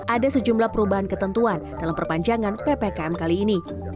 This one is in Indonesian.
ada sejumlah perubahan ketentuan dalam perpanjangan ppkm kali ini